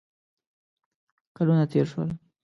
کلونه تېر شول.